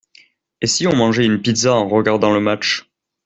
Et si on mangeait une pizza en regardant le match?